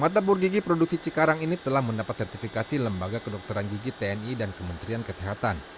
dapur gigi produksi cikarang ini telah mendapat sertifikasi lembaga kedokteran gigi tni dan kementerian kesehatan